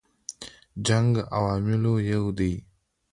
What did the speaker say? جنګ عواملو یو دی.